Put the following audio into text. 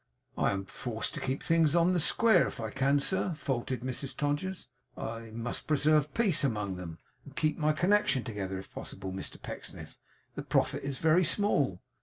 'I am forced to keep things on the square if I can, sir,' faltered Mrs Todgers. 'I must preserve peace among them, and keep my connection together, if possible, Mr Pecksniff. The profit is very small.